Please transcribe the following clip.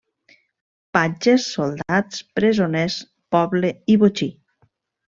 Patges, soldats, presoners, poble i botxí.